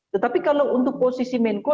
tetapi kalau untuk posisi menko